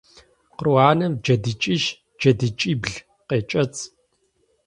Къру анэм джэдыкӏищ-джэдыкӏибл къекӏэцӏ.